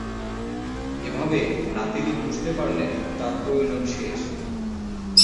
এভাবে নাতেলী বুঝতে পারলেন তার প্রয়োজন শেষ।